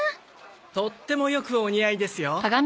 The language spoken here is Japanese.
とってもよくお似合いですよ。